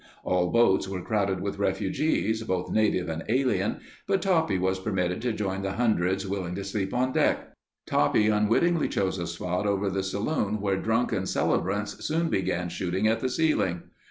All boats were crowded with refugees, both native and alien, but Toppy was permitted to join the hundreds willing to sleep on deck. Toppy unwittingly chose a spot over the saloon where drunken celebrants soon began shooting at the ceiling.